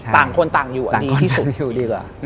ต่างคนต่างอยู่ดีที่สุด